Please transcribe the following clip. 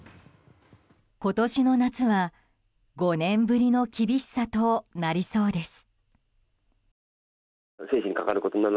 今年の夏は５年ぶりの厳しさとなりそうです。